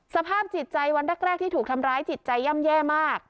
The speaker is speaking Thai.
สภาพจิตใจวันแรกที่ถูกทำร้ายจิตใจย่ำแย่มาก